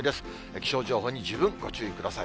気象情報に十分ご注意ください。